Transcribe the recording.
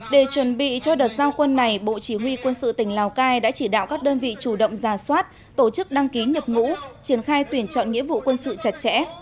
để chuẩn bị cho đợt giao quân này bộ chỉ huy quân sự tỉnh lào cai đã chỉ đạo các đơn vị chủ động ra soát tổ chức đăng ký nhập ngũ triển khai tuyển chọn nghĩa vụ quân sự chặt chẽ